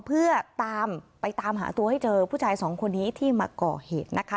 เพื่อตามไปตามหาตัวให้เจอผู้ชายสองคนนี้ที่มาก่อเหตุนะคะ